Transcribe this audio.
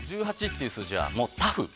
◆１８っていう数字は、もうタフ。